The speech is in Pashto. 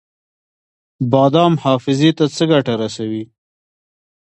بادام حافظې ته څه ګټه رسوي؟